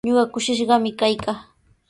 Ñuqa kushishqami kaykaa.